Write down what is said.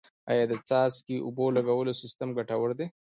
آیا د څاڅکي اوبو لګولو سیستم ګټور دی؟